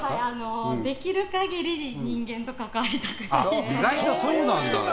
できる限り人間と関わりたくない。